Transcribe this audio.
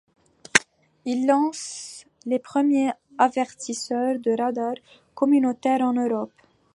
Ils lancent les premiers avertisseurs de radars communautaires en Europe.